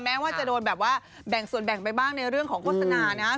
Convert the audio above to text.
แม้ว่าจะโดนแบบว่าแบ่งส่วนแบ่งไปบ้างในเรื่องของโฆษณานะครับ